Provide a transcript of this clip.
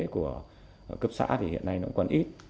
của cấp xã thì hiện nay nó còn ít